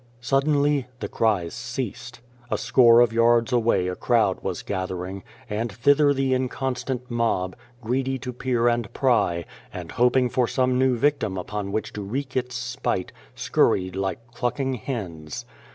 Suddenly the cries ceased. A score of yards away a crowd was gathering, and thither the inconstant mob, greedy to peer and pry, and hoping for some new victim upon whom to wreak its spite, scurried like clucking hens